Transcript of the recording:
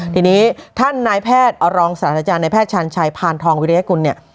ทีนี้ท่านนายแพทย์อรองศาฬาจารย์นายแพทย์ชาญชัยพาลทองวิทยาคุณ